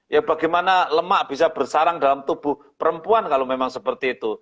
ya bagaimana lemak bisa bersarang dalam tubuh perempuan kalau memang seperti itu